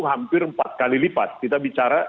hampir empat kali lipat kita bicara